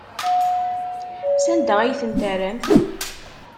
Sanda ay tent-terramt?